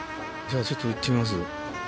ちょっといってみます。